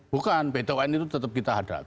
bukan pt un itu tetap kita hadapi